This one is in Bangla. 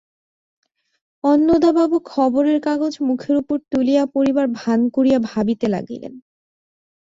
অন্নদাবাবু খবরের কাগজ মুখের উপর তুলিয়া পড়িবার ভান করিয়া ভাবিতে লাগিলেন।